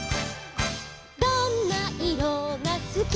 「どんないろがすき」「」